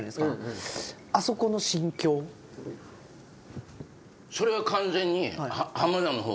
それは完全に。